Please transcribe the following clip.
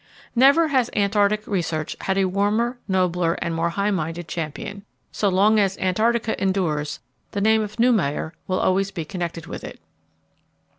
Never has Antarctic research had a warmer, nobler, and more high minded champion. So long as "Antarctica" endures, the name of Neumayer will always be connected with it.